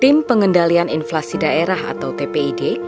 tim pengendalian inflasi daerah atau tpid